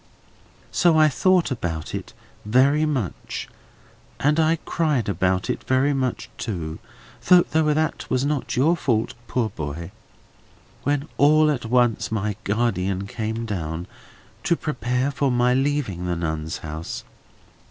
So I thought about it very much, and I cried about it very much too (though that was not your fault, poor boy); when all at once my guardian came down, to prepare for my leaving the Nuns' House.